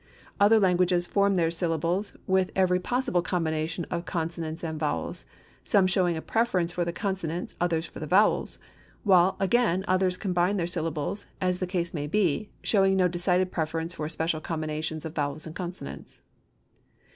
Other languages form their syllables with every possible combination of consonants and vowels, some showing a preference for the consonants, others for the vowels, while again others combine their syllables as the case may be, showing no decided preferences for special combinations of vowels and consonants.